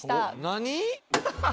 何？